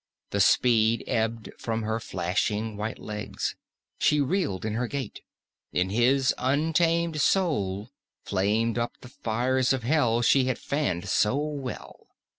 The speed ebbed from her flashing white legs; she reeled in her gait. In his untamed soul flamed up the fires of hell she had fanned so well.